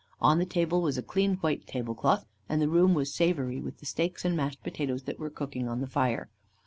On the table was a clean white table cloth, and the room was savoury with the steaks and mashed potatoes that were cooking on the fire.